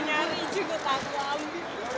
nanti setelah ini